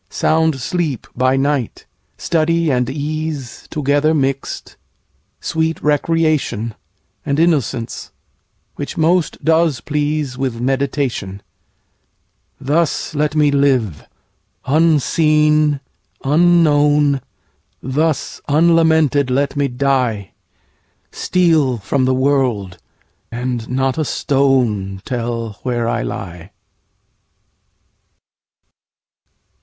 Sound sleep by night; study and easeTogether mix'd, sweet recreation, And innocence, which most does pleaseWith meditation. Thus let me live, unseen, unknown; Thus unlamented let me die; Steal from the world, and not a stoneTell where I lie.